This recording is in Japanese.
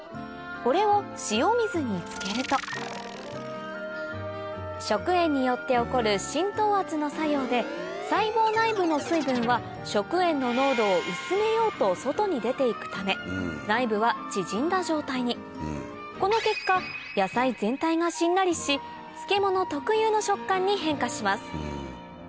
これを塩水に漬けると食塩によって起こる浸透圧の作用で細胞内部の水分は食塩の濃度を薄めようと外に出て行くため内部は縮んだ状態にこの結果野菜全体がしんなりし漬物特有の食感に変化します